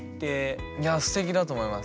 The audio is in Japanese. いやステキだと思います。